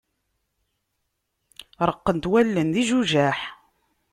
Reqqent wallen d ijujaḥ.